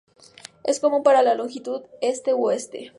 Es común para la longitud este u oeste.